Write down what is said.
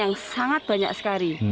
yang sangat banyak sekali